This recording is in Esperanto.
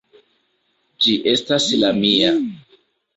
Ĝi estas la mia.